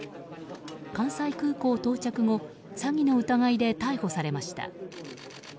関西空港到着後、詐欺の疑いで逮捕されました。